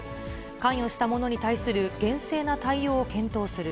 関与した者に対する厳正な対応を検討する。